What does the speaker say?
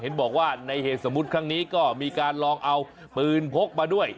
เห็นบอกว่าในเหตุสมมุติครั้งนี้ก็มีการลองเอาปืนพกมาด้วย